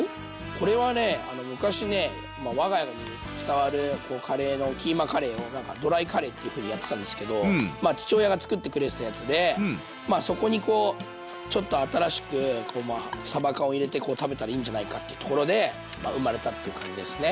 これはね昔ね我が家に伝わるカレーのキーマカレーを何かドライカレーっていうふうにやってたんですけど父親がつくってくれてたやつでそこにこうちょっと新しくさば缶を入れてこう食べたらいいんじゃないかっていうところで生まれたっていう感じですね。